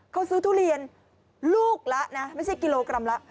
เขาซื้อทุเรียนลูกละนะไม่ใช่กิโลกรัมละ